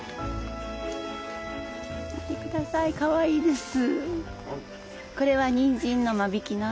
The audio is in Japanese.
見てくださいかわいいです。